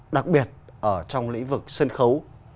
đặc biệt ở trong lĩnh vực sân khấu